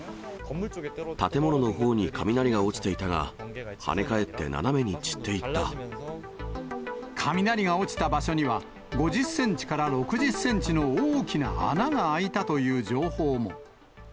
建物のほうに雷が落ちていたが、雷が落ちた場所には、５０センチから６０センチの大きな穴が開いたという情報も。